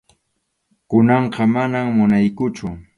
Kunanqa manam munankuchu.